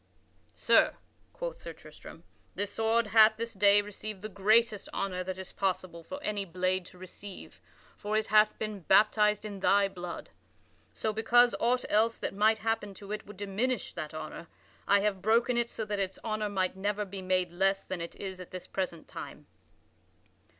"Sir," quoth Sir Tristram, "this sword hath this day received the greatest honor that is possible for any blade to receive; for it hath been baptized in thy blood. So, because aught else that might happen to it would diminish that honor, I have broken it so that its honor might never be made less than it is at this present time."